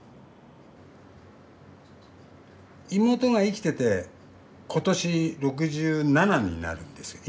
妹が生きてて今年６７になるんですよ。